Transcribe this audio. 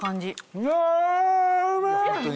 うわうまい！